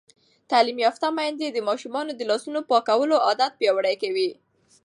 تعلیم یافته میندې د ماشومانو د لاسونو پاکولو عادت پیاوړی کوي.